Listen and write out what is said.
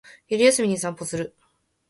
昼休みに散歩する